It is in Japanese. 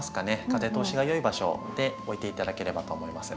風通しがよい場所で置いて頂ければと思います。